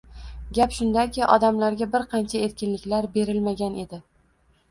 Gap shundaki, odamlarga bir qancha erkinliklar berilmagan edi.